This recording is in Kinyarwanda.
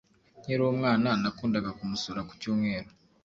Nkiri umwana nakundaga kumusura ku cyumweru